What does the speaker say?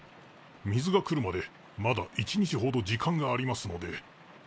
水が来るまでまだ１日ほど時間がありますので。